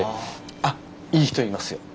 あっいい人いますよ。